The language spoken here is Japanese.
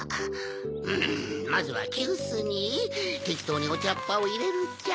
うんまずはきゅうすにてきとうにおちゃっぱをいれるっちゃ。